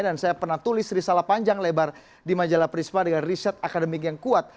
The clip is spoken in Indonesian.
dan saya pernah tulis risalah panjang lebar di majalah prisma dengan riset akademik yang kuat